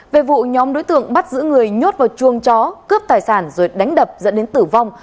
về vụ nhóm đối tượng bắt giữ người nhốt vào chuông chó cướp tài sản rồi đánh đập dẫn đến tử vong